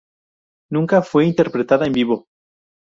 Nunca fue interpretada en vivo.